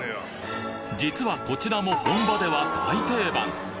実はこちらも本場では大定番！